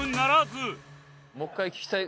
もう一回聞きたい